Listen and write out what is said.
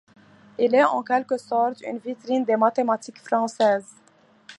Il est en quelque sorte une vitrine des mathématiques françaises.